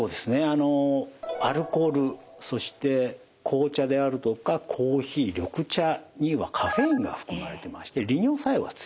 あのアルコールそして紅茶であるとかコーヒー緑茶にはカフェインが含まれてまして利尿作用が強いんですね。